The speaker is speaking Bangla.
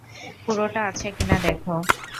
পুরোটা আছে কি-না দেখো।